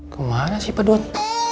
gimana sih paduan